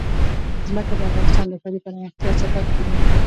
ځمکه د افغانستان د ښاري پراختیا سبب کېږي.